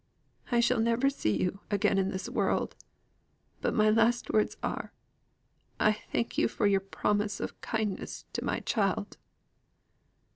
I shall never see you again in this world. But my last words are, I thank you for your promise of kindness to my child."